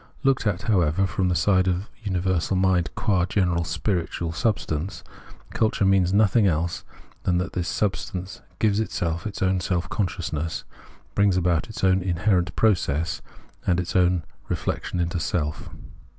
Looked at, how ever, from the side of universal mind qua general spiritual substance, culture means nothing else than that this substance gives itself its own self consciousness, brings about its own taherent process and its own re flection into self.